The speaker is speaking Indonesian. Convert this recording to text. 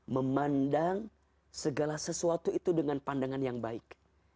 memandang segala sesuatu itu dengan pandangan yang baik